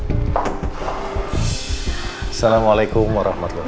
assalamualaikum warahmatullahi wabarakatuh